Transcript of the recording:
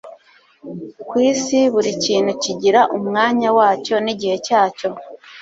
ku isi, buri kintu kigira umwanya wacyo n'igihe cyacyo